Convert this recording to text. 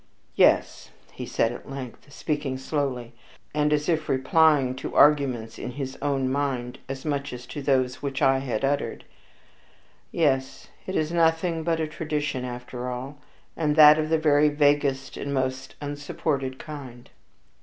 "Yes," he said at length, speaking slowly, and as if replying to arguments in his own mind as much as to those which I had uttered. "Yes, it is nothing but a tradition after all, and that of the very vaguest and most unsupported kind."